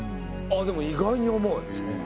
あでも意外に重い。